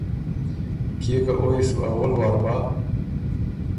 کيې که او يې سو اول وار بَۀ